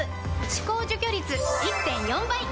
歯垢除去率 １．４ 倍！